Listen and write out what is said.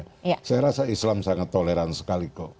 saya rasa islam sangat toleran sekali kok